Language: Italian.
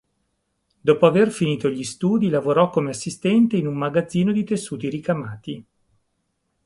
Dopo aver finito gli studi lavorò come assistente in un magazzino di tessuti ricamati.